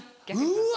うわ！